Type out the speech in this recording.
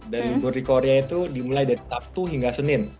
dan libur di korea itu dimulai dari sabtu hingga senin